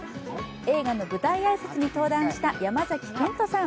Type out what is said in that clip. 映画の舞台挨拶に登壇した山崎賢人さん。